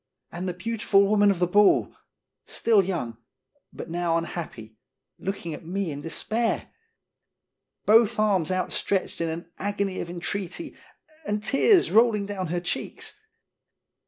And the beautiful woman of the ball ! Still young, but now unhappy, looking at me in despair. Both arms outstretched in an agony of entreaty, and tears rolling down her cheeks.